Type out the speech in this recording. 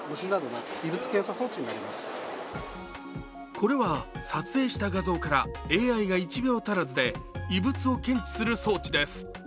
これは撮影した画像からＡＩが１秒足らずで、異物を検知する装置です。